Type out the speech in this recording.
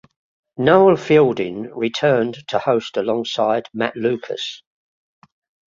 Noel Fielding returned to host alongside Matt Lucas.